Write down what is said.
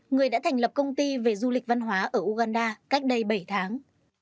người đã thành lập công ty về du lịch văn hóa ở uganda cách đây bảy tháng